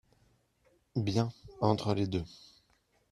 Bien/ entre les deux.